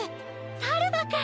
さるばくん！